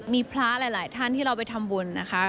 มีพระหลายท่านที่เราไปทำบุญนะคะ